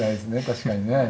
確かにね。